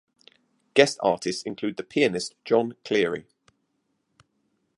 Guest artists included the pianist Jon Cleary.